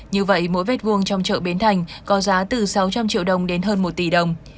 như vậy mỗi mét vuông trong chợ bến thành có giá từ sáu trăm linh triệu đồng đến hơn một tỷ đồng